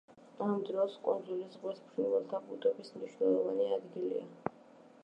ამავე დროს, კუნძული ზღვის ფრინველთა ბუდობის მნიშვნელოვანი ადგილია.